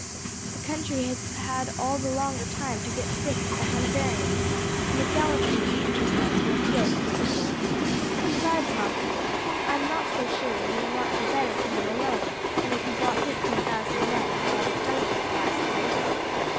"The country has had all the longer time to get sick of the Hanoverians, and the gallantry of the enterprise will appeal to the people. Besides, Malcolm, I am not so sure that he will not do better coming alone than if he brought the fifteen thousand men he had at Dunkirk last year with him.